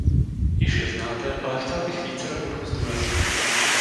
Již je znáte, ale chtěl bych vícero bodů zdůraznit.